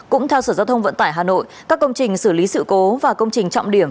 cũng theo sở giao thông vận tải hà nội các công trình xử lý sự cố và công trình trọng điểm